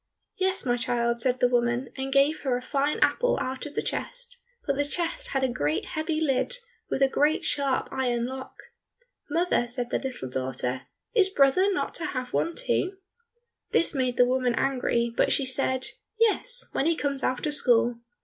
"Yes, my child," said the woman, and gave her a fine apple out of the chest, but the chest had a great heavy lid with a great sharp iron lock. "Mother," said the little daughter, "is brother not to have one too?" This made the woman angry, but she said, "Yes, when he comes out of school."